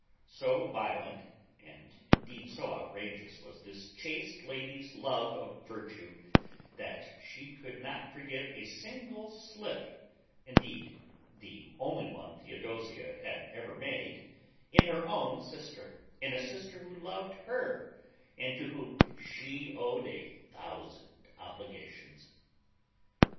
So violent, and indeed so outrageous, was this chaste lady's love of virtue, that she could not forgive a single slip (indeed the only one Theodosia had ever made) in her own sister, in a sister who loved her, and to whom she owed a thousand obligations.